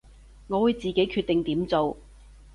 我會自己決定點做